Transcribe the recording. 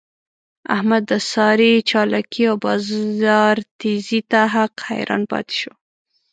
احمد د سارې چالاکی او بازار تېزۍ ته حق حیران پاتې شو.